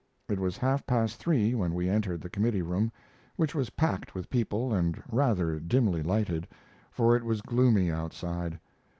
It was half past three when we entered the committee room, which was packed with people and rather dimly lighted, for it was gloomy outside.